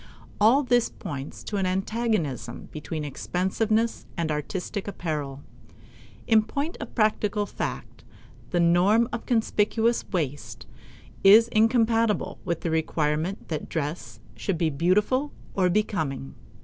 All this points to an antagonism between expensiveness and artistic apparel. In point of practical fact, the norm of conspicuous waste is incompatible with the requirement that dress should be beautiful or becoming.